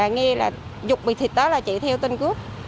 nghe là dục bầy thịt đó là chạy theo tên cướp